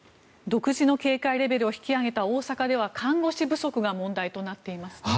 独自の警戒レベルを引き上げた大阪では看護師不足が問題となっていますね。